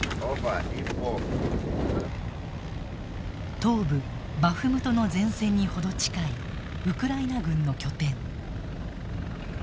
東部バフムトの前線に程近いウクライナ軍の拠点。